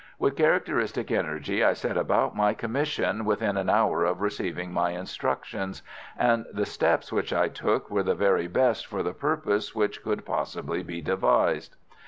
With characteristic energy I set about my commission within an hour of receiving my instructions, and the steps which I took were the very best for the purpose which could possibly be devised.